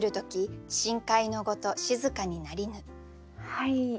はい。